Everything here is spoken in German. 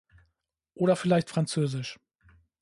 Oder vielleicht französisch?